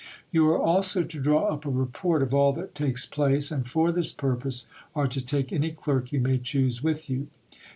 You are also to draw up a report of all that takes place, and for this purpose are to take any clerk you may choose with you.